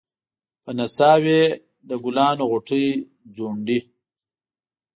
په نڅا وې د ګلانو غوټۍ ځونډي